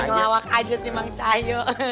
dia ngelawa kaget si mangcah yuk